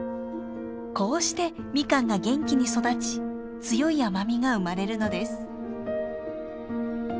こうしてミカンが元気に育ち強い甘みが生まれるのです。